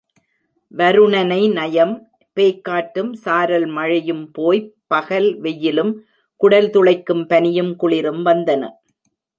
வருணனை நயம் பேய்க்காற்றும் சாரல் மழையும் போய் பகல் வெயிலும் குடல் துளைக்கும் பனியும் குளிரும் வந்தன.